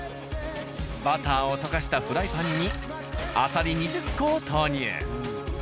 バターを溶かしたフライパンにあさり２０個を投入。